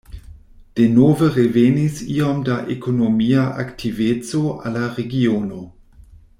Denove revenis iom da ekonomia aktiveco al la regiono.